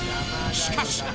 しかし。